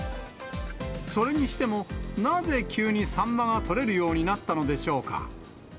それにしても、なぜ急にサンマが取れるようになったのでしょうか。